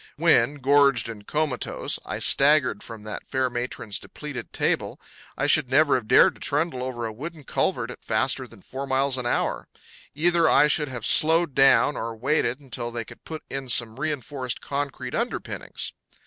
When, gorged and comatose, I staggered from that fair matron's depleted table I should never have dared to trundle over a wooden culvert at faster than four miles an hour. Either I should have slowed down or waited until they could put in some re enforced concrete underpinnings.